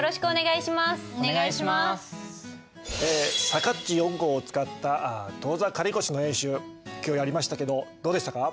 さかっち４号を使った当座借越の演習今日やりましたけどどうでしたか？